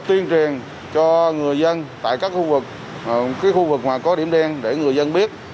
tuyên truyền cho người dân tại các khu vực khu vực có điểm đen để người dân biết